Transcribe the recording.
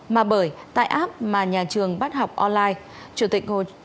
mà bởi tại app mà nhà trường bắt học online